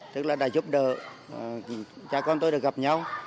tức là đã giúp đỡ cha con tôi được gặp nhau